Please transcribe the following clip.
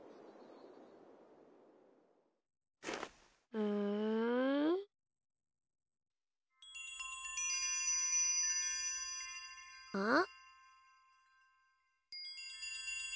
うん？あっ。